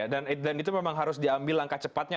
dan itu memang harus diambil langkah cepatnya